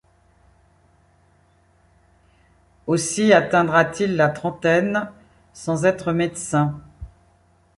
Aussi atteindra-t-il la trentaine sans être médecin.